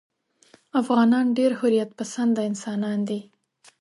افغانان ډېر حریت پسنده انسانان دي.